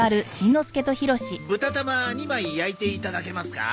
豚玉２枚焼いていただけますか？